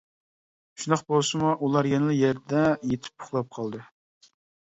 شۇنداق بولسىمۇ، ئۇلار يەنىلا يەردە يېتىپ ئۇخلاپ قالدى.